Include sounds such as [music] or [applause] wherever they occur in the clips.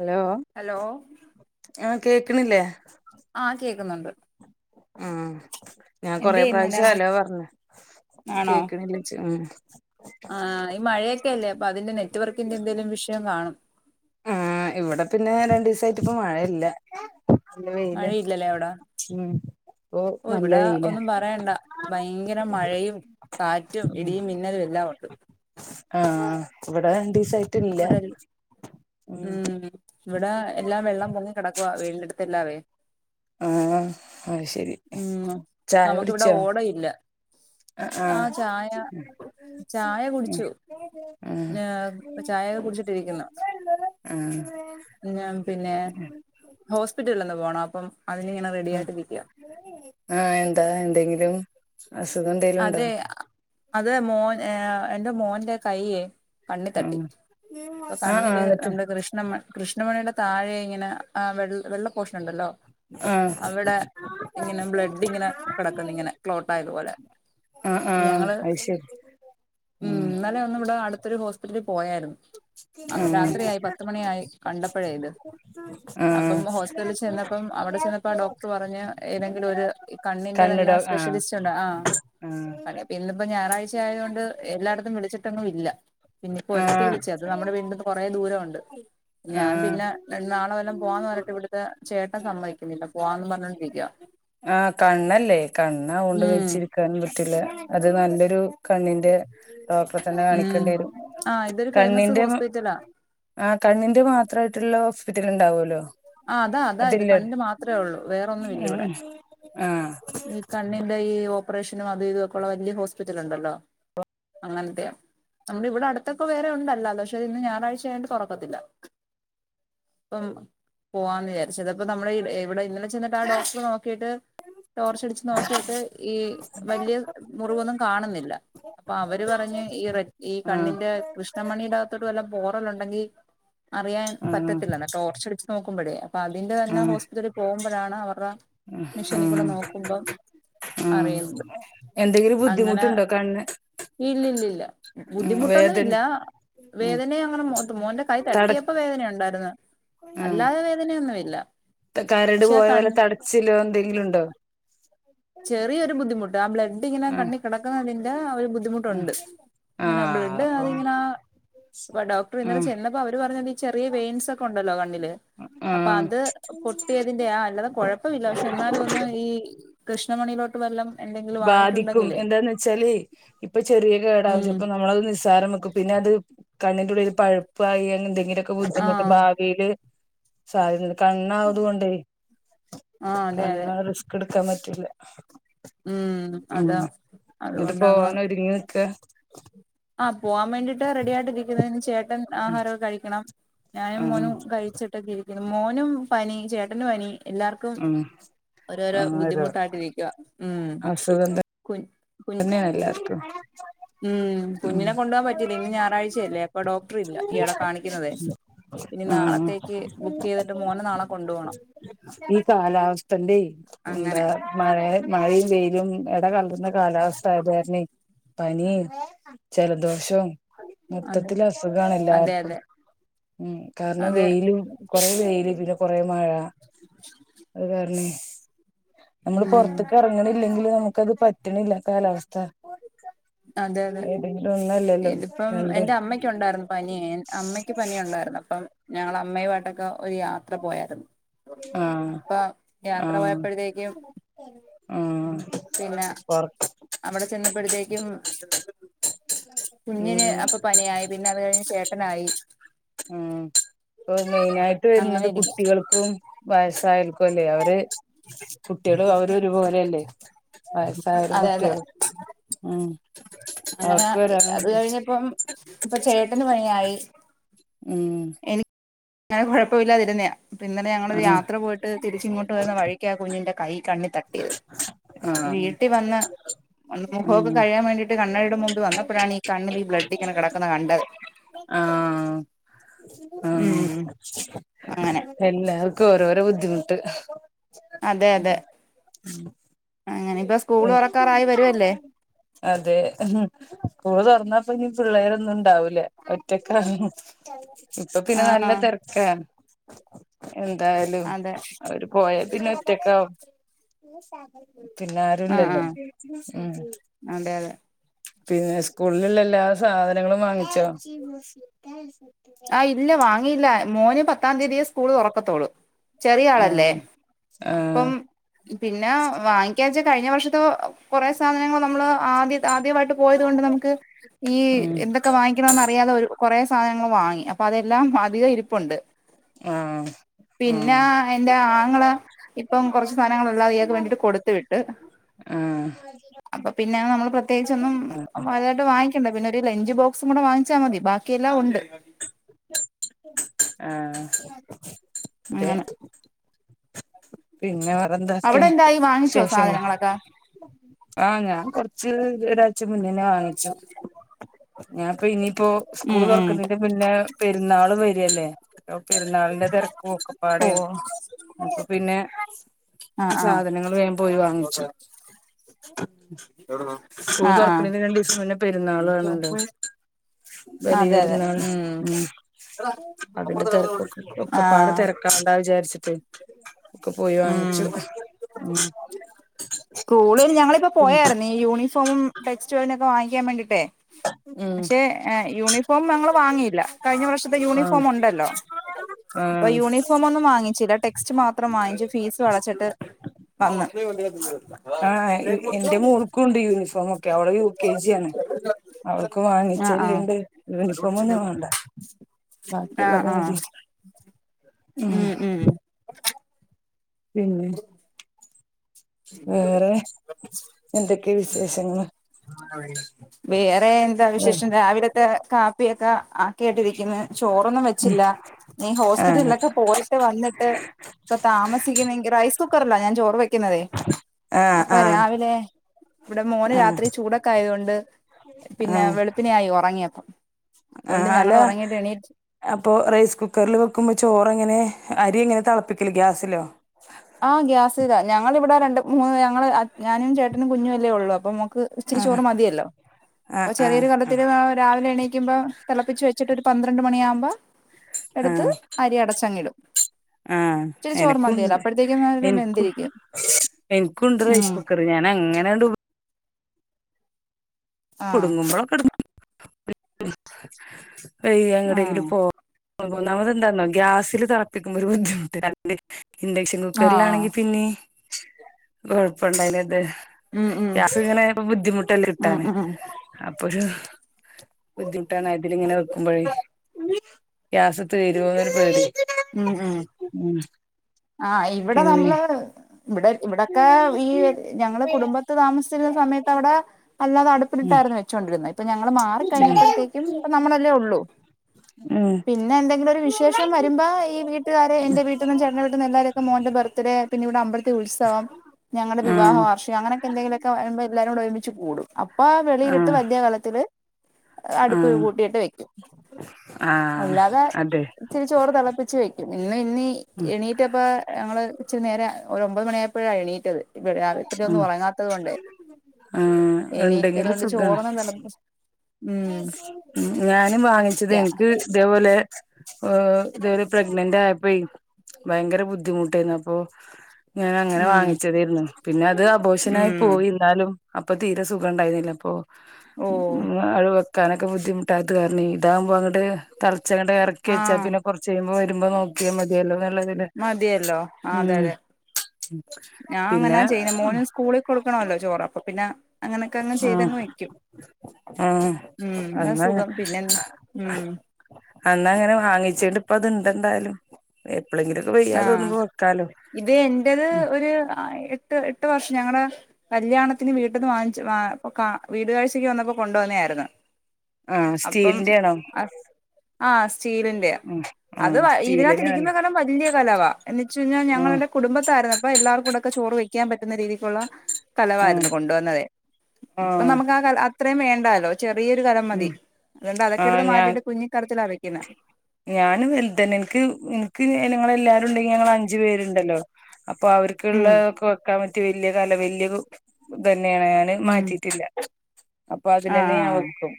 Hello hello ആ കേക്കണില്ലേ ആഹ് കേക്കുന്നുണ്ട്. ആഹ് ഞാൻ എന്ത് കൊറേ പ്രാവശ്യം ചെയ്യുന്നുണ്ടായിരുന്നു ഹലോ പറഞ്ഞ് ആണോ കേക്കണില്ല ച്ച് അപ്പോ അതിൻ്റെ നെറ്റ് വർക്കിന്റെ എന്തേലും വിഷയം കാണും. ആഹ് ഇവിടെ പിന്നെ രണ്ടു ദിവസായിട്ട് ഇപ്പ മഴയില്ല. നല്ല വെയില മഴയില്ലല്ലേ അവിട ഉം ഇപ്പൊ ഓ നല്ല ഇവിടെ വെയില ഒന്നും പറയണ്ട ഭയങ്കര മഴയും കാറ്റും ഉം ഇടിയും മിന്നലും എല്ലാവൊണ്ട്. ആഹ് ഇവിടെ രങ്ങീസാ ട്ടില്ല. ഇവിടെ ഉം ഇവിടെ എല്ലാം വെള്ളം പൊങ്ങി കിടക്കുവ വീടിനടുത്തെൽ [unintelligible] ആഹ്. ആഹ് ശരി ഉം ചായ നമുക്കിവിടെ കുടിച്ചോ ഓടയില്ല ആഹ് ചായ കുടിച്ചു ആഹ് ഉം ഏഹ് ചായയൊക്കെ കുടിച്ചിട്ടിരിക്കുന്നു ഉം പിന്നെ ഉം. പ്പം അതിന് ഇങ്ങനെ റെഡിയായിട്ട് ഇരിക്കുവാ ആഹ് എന്താ എന്തെങ്കിലും അസുഖം എന്തേലും ഉണ്ടോ അതെ അത് മോൻ ഏ എന്റെ മോന്റെ കയ്യേ കണ്ണി തട്ടി അപ്പൊ ആഹ് ആഹ് ആഹ് കണ്ണില് എന്നിട്ട് നമ്മുടെ കൃഷ്ണമ കൃഷ്ണമണീടെ താഴെ ഇങ്ങനെ ആ വെള്ള വെള്ള പോഷൻ ഉണ്ടല്ലോ ആഹ് അവിടെ ഇങ്ങനെ ബ്ലഡ് ഇങ്ങനെ കിടക്കുന്നു ഇങ്ങനെ ക്ലോട്ട് ആയതുപോലെ. ആഹ് ആഹ് ഞങ്ങള് അത് ശരി ഉം ഇന്നലെ ഒന്ന് ഇവിടെ അടുത്ത് ര് ഹോസ്പിറ്റല് പോയായിരുന്നു ഉം രാത്രിയയി പത്തുമണിയായി കണ്ടപ്പോഴേ ഇത് ആഹ് അപ്പം ഹോസ്പിറ്റലിൽ ചെന്നപ്പം അവിടെ ചെന്നപ്പോ ആ ഡോക്ടർ പറഞ്ഞ് ഏതെങ്കിലും ഒരു കണ്ണിന്റെ കണ്ണ് തന്നെ ഡോ ആഹ് സ്പെഷ്യലിസ്റ്റ് ഉണ്ട് ആഹ്. ആഹ് [unintelligible] ഇന്ന് ഇപ്പൊ ഞായറാഴ്ച ആയതുകൊണ്ട് എല്ലായിടത്തും വിളിച്ചിട്ടങ്ങും ഇല്ല. പിന്നിപ്പൊ ഒരിടത്തു ആഹ് വിളിച്ചു അത് നമ്മടെ വീടിൻ്റെ തൊട് കൊറേ ദൂരമുണ്ട് ഞാൻ ആഹ് പിന്നെ നാളെ വല്ലോം പോവാന്ന് പറഞ്ഞിട്ട് ഇവിടുത്തെ ചേട്ടൻ സമ്മതിക്കുന്നില്ല പോവാന്ന് പറഞ്ഞോണ്ടിരിക്കുക. ആഹ് കണ്ണല്ലേ കണ്ണ് അതൊണ്ട് ഉം വെച്ചിരിക്കാനും പറ്റ് റ്റില്ല അത് നല്ലൊരു കണ്ണിന്റെ ഇപ്പത്തന്നെ ഉം കാണിക്കേണ്ടി വരും ആഹ് ഇതൊരു ഫേമസ് കണ്ണിന്റെ ഹോസ്പിറ്റലാ ആഹ് കണ്ണിന്റെ മാത്രായിട്ടുള്ള ഹോസ്പിറ്റൽ ഉണ്ടാവുമല്ലോ. ആഹ് അതാ അതാ ഇത് കണ്ണ് മാത്രേ ഉള്ളൂ വേറൊന്നും ഇല്ല ഇവിടെ ഉം ആഹ് ഈ കണ് കണ്ണിന്റെ ഈ ഓപ്പറേഷനും അത് ഇതുവൊക്കെ ഉള്ള വലിയ ഹോസ്പ്പിറ്റലുണ്ടല്ലോ അങ്ങനത്തെയാ നമ്മുടെ ഇവിടെ അടുത്തൊക്കെ വേറെ ഉണ്ട് അല്ല പക്ഷെ ഇന്ന് ഞായറാഴ്ച അയത് കൊണ്ട് തൊറക്കത്തില്ല അപ്പം പോവാന്ന് വിചാരിച്ചത് അപ്പോ നമ്മുടെ ഇവിടെ ഇന്നലെ ചെന്നിട്ട് ആ ഡോക്ടർ നോക്കിയിട്ട് ടോർച്ചടിച്ച് നോക്കിയിട്ട് ഈ വലിയ മുറിവൊന്നും കാണുന്നില്ല അപ്പൊ അവര് പറഞ്ഞ് ഈ റെറ്റ് ഈ ആഹ് കണ്ണിന്റെ കൃഷ്ണമണീടകത്തോട്ട് വല്ല കോറല്ണ്ടെങ്കി അറിയാൻ ആഹ് പറ്റത്തില്ലാ ടോർച്ച് അടി നോക്കുമ്പോഴേ അപ്പൊ അതിന്റെ തന്നെ ആഹ് ഹോസ്പിറ്റലിൽ പോകുമ്പോഴാണ് അവർ ആഹ് ടെമിഷനിൽ കൂടെ നോക്കുമ്പോം ആഹ് അറിയുന്നത് എന്തെങ്കിലും അങ്ങനെ ബുദ്ധിമുട്ടുണ്ടോ കണ്ണ് ഇല്ലല്ലല്ല വേദന ബുദ്ധിമുട്ടൊന്നുമില്ല ആഹ് വേദന അങ്ങനെോ മോന്റെ കൈ തട തട്ടിയപ്പോ വേദനയ ഉണ്ടായിരുന്നു ആഹ് അല്ലാതെ വേദനയെന്ന് ഇല്ല കരട് പോയ പോലെ തടച്ചിലോ എന്തെങ്കിലുംണ്ടോ ചെറിയൊരു ബുദ്ധിമുട്ട് ആ ബ്ലഡ് ഇങ്ങനെ കണ്ണിൽ കടക്കുന്നതിന്റെ ഒരു ആഹ് ബുദ്ധിമുട്ടുണ്ട് ഇങ്ങനെ ആഹ് ബ്ലഡ് അപ്പൊ അതിങ്ങനെ ഡോക്ടർ ഇന്നലെ ആഹ് ചെന്നപ്പോ അവര് പറഞ്ഞത് ചെറിയ വെയിൻസ് ഒക്കെ ഉണ്ടല്ലോ കണ്ണില് അപ്പൊ ആഹ് അത് പൊട്ടിയതിന്റെ ആ അല്ലാതെ കൊഴപ്പ ഇില്ല പക്ഷെ എന്നാലും ഒന്ന് ഈ കൃഷ്ണമണിയിലോട്ട് വെള്ളം ബാധിക്കും എന്താന്ന് വെച്ചാല് ഇപ്പൊ ചെറിയൊ കേടാവകും ഉം ചിലപ്പോ നമ്മളത് നിസ്സാരം വെക്കും പിന്നെ അത് കണ്ണിന്റെ ഉളളിൽ പഴുപ്പായി അങ്ങനെ ന്തെങ്കിലും ബുദ്ധിമുട്ട് ആഹ് ഭാവിയില് സാദ്യദകൾ കണ്ണ് അവത്കൊണ്ട് ആഹ് അതെ അതെ കണ്ണ്റിസ്ക് ഇടു ക്കാൻ പറ്റുലാ ഉം ഉം അതാ എന്നിട്ട് അതുകൊണ്ടങ്ങ് പോവാനൊങ്ങി നിക്കാ ആ പോവാൻ വേണ്ടിയിട്ട് റെഡിയയിട്ടിരിക്കുന്നതിന് ചേ ചോട്ടൻ ആഹാരക്കെ കഴിക്കണം ഞാനും ആഹ് മോനും കഴിച്ചിട്ടൊകെ ഇരിക്കാ പിന്നെ മോനുംപനി ചേട്ടനുംപനി എല്ലാവർക്കും ആഹ് ഓരോരോ ആഹ് ഒരു ബുദ്ധിമുട്ടായിട്ടിരി കാ ഉം കുൻ തന്നെയല്ലാർക്കും ഉം കുഞ്ഞിനെ കൊണ്ടു പോവാൻ പറ്റിയില്ല ഇന്ന് ഞായറാഴ്ചയല്ലേ അപ്പൊ ഡോക്ടർ ഇല്ല ഇയാളെ കാണിക്കുന്നത്ഇനി ആഹ് നാളത്തേക്ക് ബുക്ക് ചെയ്തിട്ട് മോന നാളെ കൊണ്ടു പോകണം ഈ കാലാവസ്ഥന്റെ അങ്ങനെ വരും [unintelligible] കാലാവസ്ഥ ആതാണെ പനിം ജലദോഷോം അതെ മൊത്തത്തിൽ അസുഖാണ് അതെ എല്ലാർക്കും അതെ ഉം കാരണം അതെ വെയിലും കൊറെ വെയില് പിന്നെ കൊ റെ മഴ അത് കാരണെ നമ്മള് ഉം പൊറത്തക്ക് ഇറങ്ങണില്ലെങ്കില് നമു ക്കത് പ റ്റണില്ല കാലാവസ്ഥ. അതെ അതെ ഏതെങ്കിലും ഒന്നല്ലല്ലോ ഇതിപ്പം രണ്ടും എന്റെ അമ്മയ്ക്ക് ഉണ്ടാരുന്നു പനി അമ്മയ്ക്ക് പനി ഉണ്ടാരുന്നു അപ്പം ഞങ്ങള് അമ്മയുമായിട്ടൊക്കെ ഒരു യാത്ര പോയാരുന്നു ആഹ് അപ്പൊ യാത്ര ആഹ് പോയപ്പോഴത്തേക്കും ആഹ് പിന്നെ പൊർ അവിടെ ചെന്നപ്പോഴത്തേക്കും കുഞ്ഞിന് ഉം അപ്പൊ പനിയായി പിന്നെ അത് കഴിഞ്ഞ് ചേ ട്ടനായി ഉം ഇപ്പൊ മെയിനായിട്ട് അങ്ങനെ വരുന്നത് ഇരിക്കും കുട്ടികൾക്കും വയസായവർക്കുവല്ലേ അവര് കുട്ടികളും അവരും ഒരുപോലെയല്ലേ വയസായരും അതെ അതെ കുട്ടികളും ഉം അങ്ങനെ അവർക്ക് വരാൻ അത് പറ്റും കഴിഞ്ഞപ്പം ഇപ്പൊ ചേട്ടന് പനിയായി ഉം ഞങ്ങള് കൊഴപ്പമില്ലാതിരുന്നെയാ അപ്പോ ഇന്നലെ ഞങ്ങളൊരു ആഹ് യാത്ര പോയിട്ട് തിരിച്ച് ഇങ്ങോട്ട് വരുന്ന വഴിക്കാ കുഞ്ഞിന്റെ കൈ കണ്ണിൽ തട്ടിയത് ആഹ് വീട്ടിൽ വന്ന് ഒന്ന് മുഖമൊക്കെ ഉം കഴുകാൻ വേണ്ടിട്ട് കണ്ണാടിയുടെ മുൻപിൽ വന്നപ്പോഴാണ് ഈ കണ്ണില് ഈ ബ്ലഡിങ്ങനെ കെടക്കുന്ന കണ്ടത് ഉം അങ്ങനെ എല്ലാർക്കും ഓരോരോ ബുദ്ധിമുട്ട് അതെ ഉം അതെ ഉം അങ്ങനെ ഇപ്പൊ സ്കൂൾ ഏ തുറക്കാറായി വരുവല്ലേ അതെ സ്കൂള് തൊറന്നാ അപ്പൊ ഇനി പിള്ളേരൊന്നും ഉണ്ടാവൂല ഒറ്റക്ക് [unintelligible] ഇപ്പൊ പിന്നെ നല്ല ആഹ് തെരക്കാണ് എന്തായാലും അതെ അവര് പോയ പിന്നെ ഒറ്റക്കാവും പിന്നെ ആഹ് റ്റൂല്ലല്ലോ ആഹ് ഉം അതെ അതെ പിന്നെ സ്കൂളില്ള്ള എല്ലാ സാധനങ്ങളും വാങ്ങിച്ചോ? ആഹ് ഇല്ല വാങ്ങീല്ല മോന് പത്താം തീതിയെ സ്കൂള് തുറക്കത്തൊളൂ ചെറിയ ആളല്ലേ ആഹ് അപ്പം ആഹ് പിന്നെ വാങ്ങി ത്യേകിച്ച് കഴിഞ്ഞ വർഷത്തെ കുറേ സാധനങ്ങൾ നമ്മള് ആദ്യ ആദ്യമായിട്ട് പോയത് കൊണ്ട് നമുക്ക് ഈ ഉം എന്തെക്കെ വാങ്ങിക്കണന്ന് അറിയാതെഒരു കൊറേ സാധനങ്ങൾ വാങ്ങ് അപ്പ അതെ ല്ലാം അധിക ഇരിപ്പുണ്ട് ആഹ് പിന്നെ ആഹ് എന്റെ ആങ്ങള ഇപ്പം കൊറച്ച് സാധനങ്ങളെല്ലാം ഇയാക്ക് വേണ്ടിട്ട് കൊടുത്ത് വിട്ട് ആഹ് അപ്പ പിന്നെ നമ്മൾ പ്രത്യേകിച്ചന്നും വാങ്ങിക്കണ്ട പിന്നെരു ലഞ്ച് ബോക്സും കൂടെവാങ്ങ ച്ചാ മതി ബാക്കിയെല്ലാം ഒണ്ട് ആ തെ അങ്ങനെ പിന്നവർ അവിടെയെന്തായി വാങ്ങിച്ചോ സാധനങ്ങളൊക്കെ ആ ഞാൻ കൊറച്ച് ഒരാഴ്ച മുന്നെ ഞാൻ വാങ്ങിച്ചു ഞാപ്പം ഇനിം ഇപ്പോ സ്കൂൾ ഉം ഉം തൊർക്കുന്നേന്റെ മുന്നെ പെ ര്ന്നാളും വരെല്ലേ പെര്ന്നാളിന്റെ തെരക്കും ഓ ഒക്കെപ്പാടെണ് അപ്പൊ പിന്നെ ആഹ് ആഹ് സാധനങ്ങള് വേം പോയി വാങ്ങിച്ചു ഉം സ്കൂള് ആഹ് ആഹ് തൊർക്കണേന്റെ രണ്ടീസം മുന്നേ പെരുന്നാളു ആണല്ലോ അതെ അതെ വലിയര്ന്നാള് ഉം അതിന്റെ തെരക്കൊക്ക് ഒക്കപ്പാടെ ആഹ് തെരക്കണ്ടാ വിചാരിച്ച് [unintelligible] ഒക്ക പോയി വാങ്ങിച്ചു ഉം ഉം സ്കൂളിൽ ഞങ്ങളിപ്പോ പോയായിര്ന്നേ ഈ യൂ ണിഫോമും ടെക്സ്റ്റ്, പെനൊക്കെ വാങ്ങിയ്ക്കാ വേണ്ടിട്ടേ ഉം പക്ഷെ ഏ യൂണി പ്പോവും ഞങ്ങളോ വാങ്ങിയില്ല കഴിഞ്ഞ വർഷത്തെ ആഹ് യൂണിഫോമൊണ്ടല്ലോ അപ്പം ആഹ് യൂണിഫോമൊന്നും വാങ്ങിച്ചില്ല ടെക് സ്റ്റ് മാത്രം വാങ്ങിച്ചു ഫീസ് വളച്ചിട്ട് വന്ന് ആ ഏ യു എന്റെ മോൾക്കുണ്ട് യൂണിഫോമൊക്കെ അവള് യു കെ ജിയാണ്. അവൾക്കു ആഹ് ആഹ് വാങ്ങിച്ചല്ലേണ്ട് യൂണിഫോമൊന്നും വാണ്ട ആഹ് ബാക്കിയിള്ളത് ആഹ് മതി ഉം ഉം പിന്നെ വേറെ എന്തൊക്കെ വിശേഷങ്ങള് വേറെ എന്താ ഉം വിശേഷം രാവിലെ ദേ കാപ്പിയൊക്കെ ആക്കിയിട്ടിരിക്കിന്ന് ചോറൊന്നും വെച്ചില്ല ഇനി ആഹ് ഹോസ്പിറ്റലൊക്കെ പോയിട്ട് വന്നിട്ട് ഇപ്പ താമസിക്കിന്നുവെങ്കി റൈസ് കുക്കറിലാ ഞാൻ ചോറ് വെക്കുന്നതേ ആഹ് അപ്പൊ ആഹ് രാവിലെ ഇവിടെ മോന് ആഹ് രാത്രി ചൂടൊക്കെ ആയതുകൊണ്ട് പിന്നെ വെളുപ്പിനെ ആയി ഉറങ്ങിയപ്പം ആ അതുകൊണ്ട് ഞങ്ങൾ അല്ല ഉറങ്ങിയിട്ട് എണീറ്റ് അപ്പൊ റൈസ് കുക്കറിൽ വെക്കുമ്പോ ചോറ് എങ്ങനെ അരി എങ്ങനെ തിളപ്പിക്കല് ഗ്യാസിലോ ആ ഗ്യാസിലാ ഞങ്ങൾ ഇവിടെ രണ്ട് മൂന്ന് ഞങ്ങള് ഞാനും ചേട്ടനും കുഞ്ഞും അല്ലേ ഉള്ളൂ അപ്പൊ ഇച്ചിരി ആഹ് ചോറ് മതിയല്ലോ അപ്പൊ ആഹ് ആഹ് ചെറിയൊരു ആഹ് കലത്തില് രാവിലെ എണ്ണി തിളപ്പിച്ച് വെച്ചിട്ട് ഒരു പന്ത്രണ്ട് മണിയാകുമ്പോ എടുത്ത് ആഹ് അരി അടച്ചങ്ങിടും ആഹ് ഇച്ചിരി ചോറ് മതിയല്ലോ എനക്കുണ്ട് അപ്പോഴത്തേക്കും നല്ല എനിക്കും വെന്തിരിക്കും എനിക്കുണ്ട് ഉം റൈസ് കുക്കർ ഞാൻ അങ്ങനണ്ട് ആഹ് [unintelligible] [unintelligible] എവിടെങ്കിലും ആഹ് പോ ഒന്നാമത്എന്താണോ ഗ്യാസിൽ തിളപ്പിക്കുമ്പോ ഒരു ബുദ്ധിമുട്ട് [unintelligible] ഇൻഡക്ഷൻ ആഹ് ആഹ് കുക്കറിലാണെങ്കിൽ പിന്നെ [unintelligible] ഉം ഉം രാത്രിയിൽ ഇങ്ങനെ ബുദ്ധിമുട്ടല്ലേ ഉം കിട്ടാന് ഉം അപ്പഴും ബുദ്ധിമുട്ടാണ് അതിൽ ഇങ്ങനെ വെക്കുമ്പോഴേ ഗ്യാസ് തിരുവോ എന്ന് പേടി ഉം ഉം ഉം ആ ഇവിടെ പിന്നെ നമ്മള് ഇവിടെ ഇവിടൊക്കെ ഈ ഞങ്ങള് കുടുംബത്ത് താമസ സമയത്ത് അവിടെ അല്ലാതെ ഉം അടുപ്പിലിട്ടായിരുന്നു വെച്ചോണ്ടിരുന്നത് ഇപ്പൊ ഞങ്ങള് മാറികഴിഞ്ഞപ്പോഴത്തേക്കും ഇപ്പം നമ്മളല്ലേ ഉള്ളൂ ഉം പിന്നെ എന്തെങ്കിലും ഒരു വിശേഷം വരുമ്പോ ഈ വീട്ടുകാരെ എന്റെ വീട്ടിൽനിന്നും ചേട്ടന്റെ വീട്ടീന്നും എല്ലാരുമൊക്കെ മോന്റെ ബർത്ത്ഡെ പിന്നെ ഇവിടെ അമ്പ ഉത്സവം ഞങ്ങളുടെ ഉം വിവാഹവാർഷികം അങ്ങനെക്കെ എന്തെങ്കിലൊക്കെ വരുമ്പോ എല്ലാരും കൂടെ ഒരുമിച്ച് കൂടും അപ്പൊ ആ ആഹ് വെളിയിലിട്ട് ആഹ് വലിയ കലത്തില് അടുപ്പ് ആഹ് കൂട്ടിയിട്ട് വെക്കും ആഹ് അല്ലാതെ അതെ ഇ ചോറ് തിളപ്പിച്ച് വെക്കും ഇന്ന് ഇനി ഉം എണീറ്റപ്പോ ഞങ്ങള് കൊച്ച് നേര ഒമ്പത് മണിയായപ്പോഴാ എഴണീറ്റത് രാവിലെ ത്തിരി ഉം ഒന്നും ഉറങ്ങാത്തത് കൊണ്ടേ ആ എണീറ്റതുകൊണ്ട് ചോറന്നും തിലളപിച് ഉ ഞാനും വാങ്ങിച്ചത് എനിക്ക് ഇതേപോലെ ഉ ഓ ഇതരു പ്രഗ്നന്റ് ആയപോ വൈ ഭയങ്കര ബുദ്ധിമുട്ടായിന്നപ്പോ ഞാൻ അങ്ങനെ ഉം വാങ്ങിച്ചതരുന്നു പിന്നത് അത് അബോഷനായി ഉം പോയി എന്നാലും അപ്പൊ തീരെ സുഖം ഉണ്ടായിരുന്നില്ല പ്പൊ ഓ വെക്കാനൊക്കെ ബുദ്ധിമുട്ടായത് കാരണെ ഇതാകുംമ്പോ അങ്ങട്ട് തൾ കുറച്ചുങ്ങട്ട് ഇറക്കി വെച്ചാ ആഹ് പിന്ന കുറച്ച് കഴുമ്പോ വരുമ്പോ നോക്കിയാ മതിയല്ലോ നല്ലേ മതിയല്ലോ അതെ അതെ ഞാൻ അങ്ങനാ പിന്നെ ചെയ്യുന്ന മോന് സ്കൂളിൽ കൊടുക്കണല്ലോ ചോറ് അപ്പൊ പിന്നെ അങ്ങനൊക്കെ അങ്ങ് ആഹ് ചെയ്തങ്ങ് വെക്കും ആഹ് ഉം അതാ അന്ന് അങ്ങനെ സുഖം പിന്നെ ഉം അന്ന് അങ്ങനെ വാങ്ങിചിട്ട് ഇപ്പ അത്ണ്ട് എന്തായാലും എ ആഹ് ഇത് എന്റത് ഉം ഒരു എട്ട് എ എട്ടു വർഷം ഞങ്ങളടെ കല്യാണത്തിന് വീട്ടിൽന്ന് വാങ്ങിച്ച വീടുകാഴ്ചക്ക് വന്നപ്പോ കൊണ്ടുവന്നായിരുന്നു ആഹ് സ്റ്റീലിന്റെ ആണോ ആ സ്റ്റീലിന്റെ ഉം ആ അത് ആഹ് ഇതിനകത്ത് സ്റ്റീലന്നെ ഇരിക്കുന്ന നല്ലെ കലം വലിയ [unintelligible] എനിച്ചു ഞാൻ ആഹ് ഞങ്ങളുടെ കുടുംബതാരുന്നു എല്ലാര് കൊടുക്ക ഒക്കെ ചോറ് വക്കാൻ പറ്റുന്ന രീതിക്കുള്ള കലവായിരുന്നു ആഹ് കൊണ്ടുവന്നതെ ഇപ്പൊ ആഹ് നമുക്ക് ആ കലം അത്രയും വേ [unintelligible] ചെറിയൊരു കലം മതി ഉം അതൊണ്ട് അതൊക്കെടുത്ത് ആഹ് മാറ്റിയിട്ട് കുഞ്ഞിക്കലത്തില വെ പിന [unintelligible] ഞാൻ വലുതന്നെ നിക്ക് നിക്ക് നിങ്ങള എല്ലാരും ഉണ്ടെങ്കിൽ ഞങ്ങള് അഞ്ച് പേരുണ്ടല്ലോ അപ്പൊ ഉം അവർക്കുള്ളതൊക്കെ വെക്കാൻ പറ്റ വല്യ കലം വല്യ കു ഞൻ ഉം മാറ്റിട്ടില്ല അപ്പൊ ആഹ് അതിൽന്നെ ഞാൻ ആഹ് വെക്കും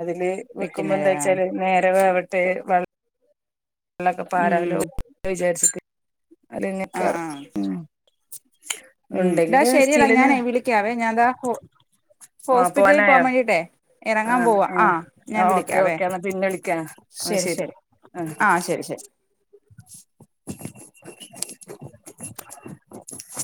അതില് വെക്കുമ്പോ വെക്കുന്നല്ലേ എന്താ ആഹ് വെച്ചാല് നേരെ വേവ [unintelligible] [unintelligible] ഉം പാരാലോ വിചാരിച്ചിട്ട് ആഹ് ആഹ് [unintelligible] ഉം ന്നാ ഉണ്ടെങ്കില് ശരിയടാ സ്റ്റീലിന് ഞാനെ വിളിക്കാവേ ഞാൻതാ ഹോ ആ ഹോസ്പിറ്റലിൽ പോവാൻ പോവാനായോ വേണ്ടിട്ടേ ആ ആ ആ ഓക്കെ ഓക്കെ എന്നാ പിന്ന വിളിക്കാ ആ ശരി ശെരി ശരി ആഹ് ശരി ശരി ആ [inaudible]